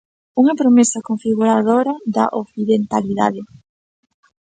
Unha promesa configuradora da occidentalidade.